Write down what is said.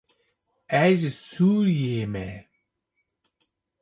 Ez ji Sûriyeyê me.